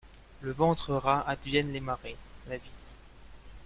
Le ventre ras adviennent les marais, la vie.